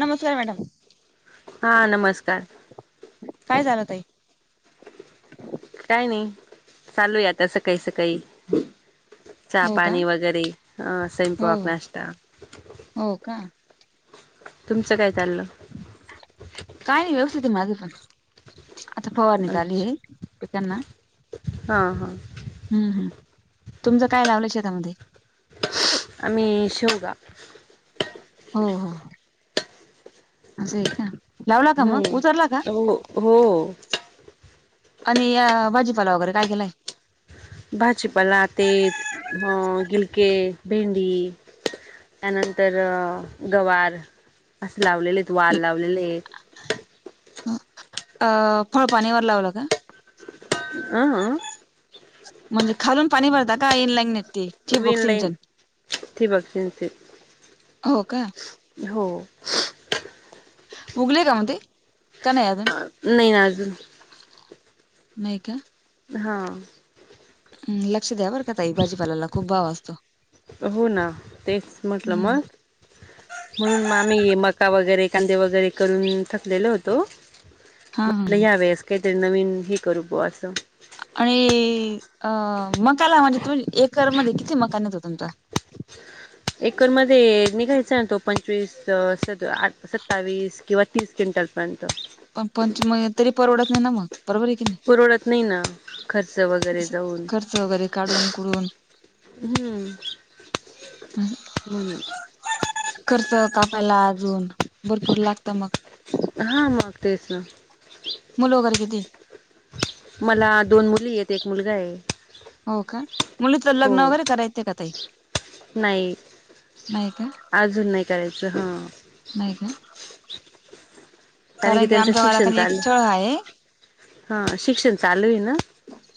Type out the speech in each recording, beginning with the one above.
नमस्कार मॅडम, हा नमस्कार काय झालं ताई? काय नही, चालूये आता सकाळी स काळी चहा, हो का पाणी वगैरे अं हो स्वयंपाक, हो नाष्टा. हो का. तुमचं काय चाललं? काय नही व्यवस्थित आहे माझं पण. आता फवारणी अच्छा. चालूये पिकांना. हा, हा. हम् हम तुमचं काय लावलं शेतामध्ये? आम्ही शेवगा. हो, हा. असं आहे का? लावला का मग हम्म उजरला का? हो हो आणि या भाजीपाला वगैरे काय केलाय? भाजीपाला तेत हं गिलके, भेंडी. त्यानंतर गवार असं लावलेले आहेत. वाल लावलेले आहेत. अं फळ पाणीवर लावलं का? [unintelligible] म्हणजे खालून पाणी भरता का? इन लाईंगने? वन लाईन, ठिबक अन ते. हो का हो. उगली का मग ती? का नाही अजून नाही ना अजून नाही का? हं हम् लक्ष द्या बर का ताई, भाजीपाल्याला खूप भाव असतो. हो ना तेच म्हटलं हम्म मग. म्हणून मग आम्ही मका वगैरे कांदे वगैरे करून थकलेलो होतो हा हा म्हटलं या वेळेस काहीतरी नवीन हे करू बुआ असं. आणि अ मकाला म्हणजे तुम्ही एकरमध्येध्ये किती मका निघतो तुमचा? एकर मध्ये निघायचा ना तो पंचवीस सत्तावीस किंवा तीस क्विटलपर्यंत. पण [unintelligible] तरी परवडत नाही ना मग, बरोबर आहे की नाही परवडत नाही ना खर्च वगैरे असं जाऊन. खर्च वगैरे काढून हम्म हम [unintelligible] खर्च कापायला अजून भरपूर लागत मग, हा मग तेच ना. मुल वैगेरे किती हाय? मला दोन मुली हे एक मुलगा आहे. हो का मुलीच हो लग्न वगैरे करायचं का ताई? नाही नाही का अजून नाही करायचं हा. नाही काय. कारण की त्यांच आमच्या शिक्षण गावाला एक चालू स्थळ आहे हा शिक्षण चालू आहे ना.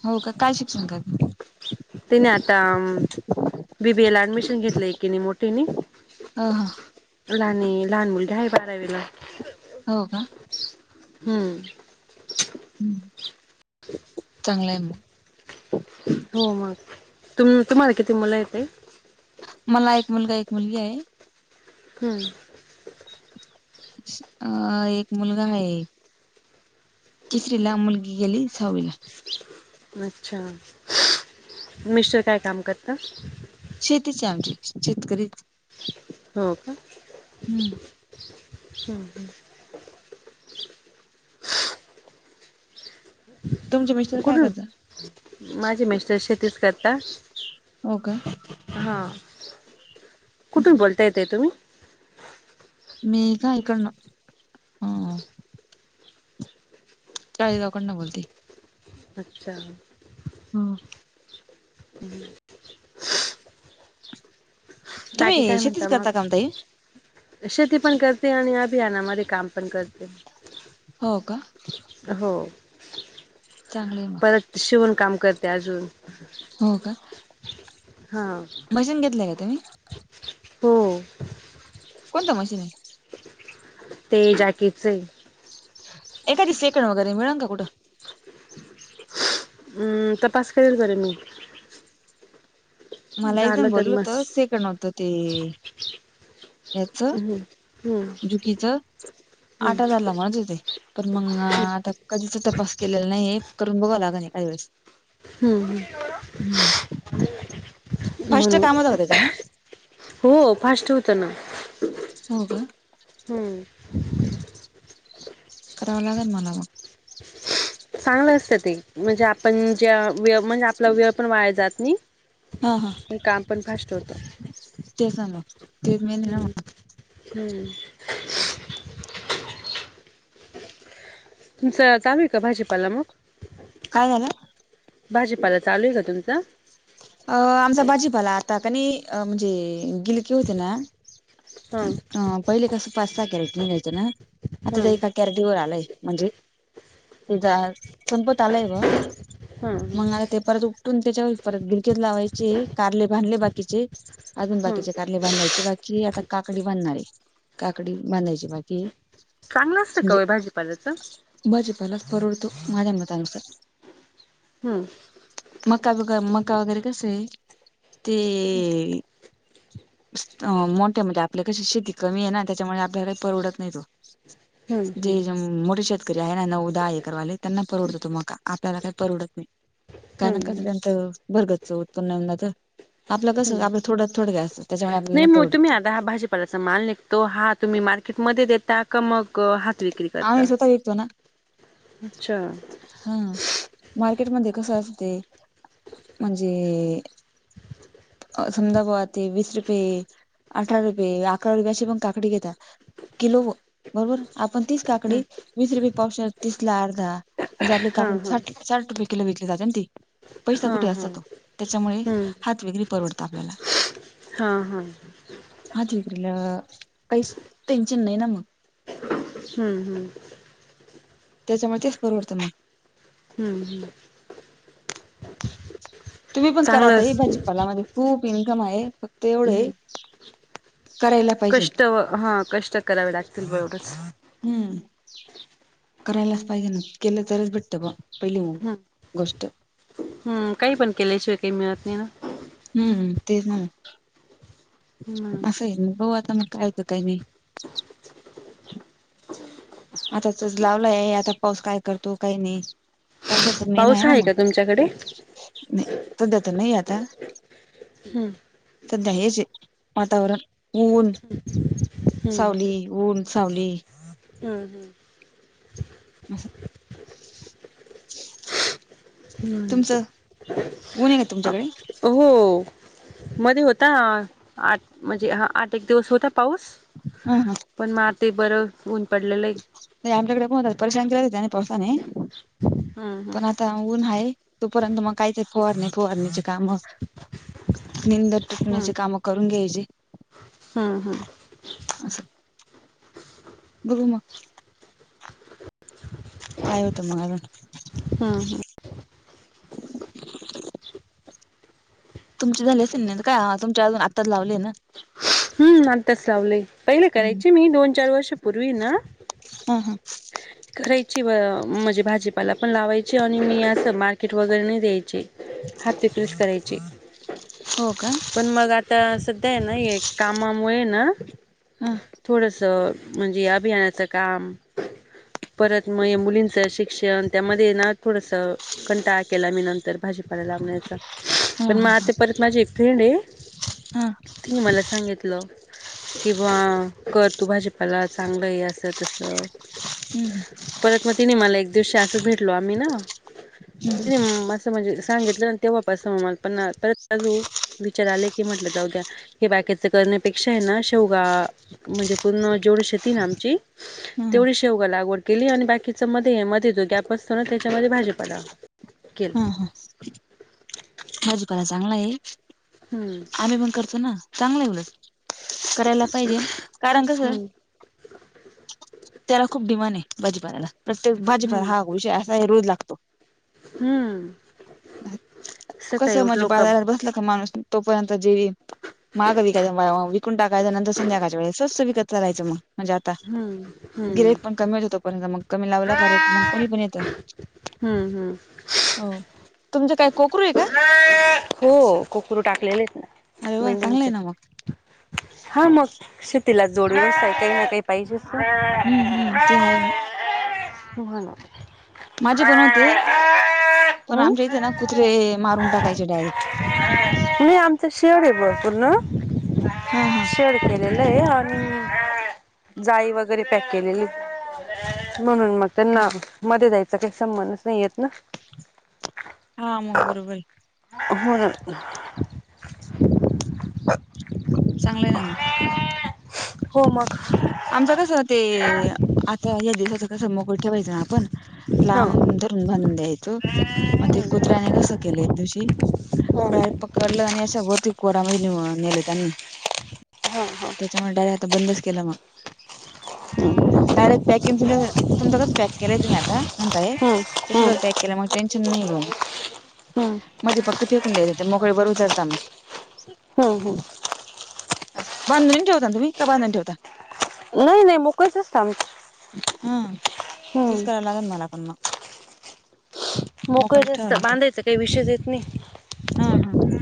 हो का काय शिक्षण करत्याती? तिने आता बी बी ए ला ऍडमिशन घेतलंय ऐकिनी मोठीनी ह हां लहान हे लहान मुलगा आहे बारावीला. हो का हम्म चांगलं आहे मग, हो मग तुम तुम्हाला किती मुल आहेत ताई? मला एक मुलगा एक मुलगी आहे. हम्म अ एक मुलगा आहे. तिसरीला मुलगी गेली सहाविला अच्छा, मिस्टर काय काम करता? शेतीच आहे आमची शेतकरी आहेत. हो का हम्म हम्म. तुमचे मिस्टर काय करता कुठून माझे मिस्टर शेतीच करता हो का हा, कुठून बोलताय ताई तुम्ही? मी [unintelligible] ह चाळेगाव कडन बोलतेय, अच्छा हम्म [unintelligible] [unintelligible] तुम्ही काय शेतीच म्हणता मग? करता काम ताई शेती पण करते आणि अभियानामध्ये काम पण करते. हो का, हो. चांगलं आहे मग, परत शिवण काम करते अजून. हो का, हा मशीन घेतलं काय तुम्ही? हो. कोणतं मशीन हे? ते जाकीफ च हे. एखादि सेकंड वगैरं मिळल का कुठं? हम्म, तपास करेल बर मी. मला झालं एकजण तर बोललं होत, मस्त सेकंड होत ते याच हम्म हम्म जुकीचं हम्म आठ हजारला म्हणत होते. तर मग आता कधीचं तपास केलेला नाहीयेत, करून बघाव लागेल एखादी वेळेस. हम्म हम्म ह्म, फर्स्ट काम होतं का त्याच्याने [unintelligible] हो फास्ट होतं ना. हो काय? हम्म. [inaudible] करावं लागल मला मग. चांगलं असतं ते, म्हणजे आपण ज्या वे म्हणजे आपला वेळ पण वाया जात नाही. हा हा मग काम पण फास्ट होतं. ते ना मग. मेन आहे हम्म हम्म. तुमचं काम हे का भाजीपाला मग? काय झालं? भाजी-पाला चालू हे का तुमचा? अ आमचा भाजी-पाला आता तर नई अं म्हणजे गिलके होते ना हां अ पहिले कसं पाच- सहा कॅरेट निघायचं ना आता हां ते एका कॅरटी वर आलय म्हणजे ते संपत आलाय बॉ हां मग आता ते परत उठटून त्याच्यावर परत गिलकेच लावायचेये कारले बाधले बाकीचे अजून हां बाकीचे कारले बांधायचे बाकी हे आता काकडी बांधणार हे, काकडी बांधायची बाकी हे. चांगलं असतं का ओ हे भाजीपाल्याचं? भाजी-पालाच परवडतो माझ्या मतानुसार. हम्म. मका बिगर मका वगैरे कसं हे? ते मोठ्या म्हणजे आपल्या कशी शेती कमी हे ना त्याच्यामुळे आपल्याला काही परवडत नाही तो. हम्. जे जेगं मोठे शेतकरी आहे ना, नऊ- दहा ऐकरवाले त्यांना परवडतो तो मका आपल्याला काही परवडत नाही. कारण कसं हम्म त्याचं भरगच उत्पन्न येऊन जात. आपलं कसं हम्म आपलं थोड्यात थोडं अस नाही म तुम्ही आता हा भाजी थोडासा माल निघतो, हा तुम्ही मार्केट मध्ये देता का मग हात विक्री आम्ही करता? स्वतः विकतो अच्छा! हम्म, मार्केट मध्ये कसं असत ते म्हणजे समजा बॉ ते वीस रुपये, अठरा रुपये, अकरा रुपये अशी पण काकडी घेतात किलो बरोबर. आपण तीच हा काकडी वीस रुपये पावशेर, तीसला अर्धा म्हणजे आपली हा काकडी साठ- साठ रुपये किलो विकली जाते ना ती. पैसा हा कुठे हा असतात, त्याच्यामुळे हम्म हात विक्री परवडतो आपल्याला. हा हम्म. अ इ्रला पैसाच टेन्शन नाही न मग हम्म हम्म. त्याच्यामुळे तेच परवडत नाही. हम्म हम. तुम्ही पण करा चांगलंच ताई भाजीपालामध्ये खूप इन्कम आहे फक्त एवढं आहे करायला पाहिजे कष्ट हा कष्ट करावे लागतील बरं तेवढंच. हम्म. करायलाच पाहिजे ना, केलं तरच भेटत बा पहिली गोष्ट ह काही पण केल्याशिवाय काही मिळत नाही ना हम्म तेच ना हम्म असं ह बघू आता मग काय होत काही नाही. आताचच लावलाय आता पाऊस काय करतो काही नाही. पावसाचा मेन आहे पाऊस ना का तुमच्याकडे मग सध्या तर नाही आता हम्म. सध्या हेच आहे. वातावरण ऊन सावली, ऊन, सावली हम् हम्. अस तुमचं ऊन आहे का तुमच्याकडे? हो हो. मध्ये होता आठ म्हणजे ह आठ एक दिवस होता पाऊस हम्म. पण म ते बरं ऊन पडलेलं आहे. नाही आपल्याकडे बहुत परेशान केलय त्याने पावसाने हम्म हम्म पण आता ऊन हाय तोपर्यंत मग काही फवारनि फवारनी ची काम चुिकण्याची [unintelligible] काम करून घ्यायची. हां हां. ह [inaudible] बघू मग काय होतं मग अजून हा हा. तुमची झाली असेल ना. काय तुमच्या अजून आत्ताच लावले ना हम्म आताच लावले. पहिले करायचे मी दोन चार वर्ष पूर्वी ना हां हां. करायची व म्हणजे भाजीपाला पण लावायची आणि मी असं मार्केट वगैरे नाही द्यायचे. हात विक्रीच करायचे. हो का? पण मग आता सध्या आहे ना कामामुळे ना हा थोडंसं म्हणजे अभियानाचं काम परत मग मुलींचं शिक्षण त्यामध्ये ना थोडस कंटाळा केला मी नंतर भाजी लावयचा हा पण मग हा हा आता परत माझी एक फ्रेंड आहे हा तिने मला सांगितलं किंवा कर तू भाजीपाला चांगलं हे अस तस हम्म. परत मग तिने मला एक दिवशी अस भेटलो आम्ही ना हम्म त मस्त म्हणजे सांगितलं ना तेव्हां पासून म पण परत विचार आले की म्हटलं जाऊ द्या. हे बाकीच करण्यापेक्षा आहे ना शेवगा म्हणजे पूर्ण जेवढी शेती ना आमची हम्म हा तेवढीच शेवगा लागवड केली आणि बाकीचं मध्ये मध्ये, जो गॅप असतो ना त्यांच्यामध्ये भाजीपाला हा हा केला. हा [inaudible] चांगला हाय. हम्म आम्ही पण करतो ना चांगलं उलट करायला पाहिजे कारण कसं हम्म त्याला खूप डिमांड आहे भाजीपाल्याला प्रत्येक भाजीपाला हम्म हा विषय असा आहे, रोज लागतो. हम्म सकाळी कसं म्हणजे उठलो का बाजारात बसला का माणूस तोपर्यंत जेवी [inaudible] विकून टाकायचं नंतर संध्याकाळच्या वेळीस स्वस्त विकत चालायचं मग म्हणजे आता हम्म हम्म गिर्‍हाईक पण कमीच होतं, पण मग कमी लावला का रेट मग कोणी पण येत. हम्म हम्म हो तुमचं काय कोक हो कोकरू टाकलेले [inaudible] ना अरे व्वा चांगलंय मेंढींचे ना मग, हा मग शेतीला [unintelligible] ना काही पाहिजेच हम्म हम्म ते आहे मग. ना माझे पण होते पण हम्म आमच्या इथे ना कुत्रे मारून टाकायचे डायरेक्ट नाही आमचं शेड आहे भरपूर ना हा हा शेड केलेलं आहे, आणि जाई वगैरे पॅक केलेली म्हणून मग त्यांना मध्ये जायचा काही संबंधच नाही येत ना हा मग बरोबर हो चांगलंय ना मग हो मग आमच कसं ते आता या दिवसाच कसं मोकळी ठेवायचं ना आपण हा लांब बनून द्यायचं मग ते कुत्र्याने कसं केले, एक दिवशी पकडलं असं आणि वरती कोरामध्ये नेलं त्यांनी हा हा त्यांच्यामुळे [inaudible] आता बंदच केला मग डायरेक्ट तुम तुमचं कसं पॅक केलंय तुम्ही आता म्हणताय हम्म तसं हम्म जर पॅक केलं मग टेन्शन नाही, मग हम्म मध्ये फक्त फेकून द्यायच मोकळे बरोबर चरता मग हम्म हम्म बांधून ठेवता तुम्ही का बांधून ठेवता नाही नाही मोकळच असतं आमचं हम्म तसंच हम्म करायला लागलं मला, पण मग मोकळच मोकळीच असतं बांधायचं काही विषयच येत नाही. हम्म हम्म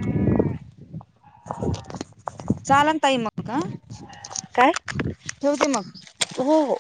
चाललं ताई मग हं काय? ठेवते मग. हो हो